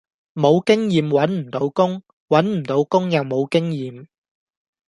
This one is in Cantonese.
無經驗搵唔到工，搵唔到工又無經驗